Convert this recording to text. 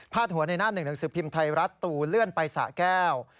หัวในหน้าหนึ่งหนังสือพิมพ์ไทยรัฐตู่เลื่อนไปสะแก้ว